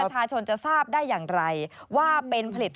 ยอมรับว่าการตรวจสอบเพียงเลขอยไม่สามารถทราบได้ว่าเป็นผลิตภัณฑ์ปลอม